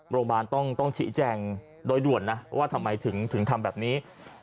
โรงพยาบาลต้องชี้แจงโดยด่วนนะว่าทำไมถึงทำแบบนี้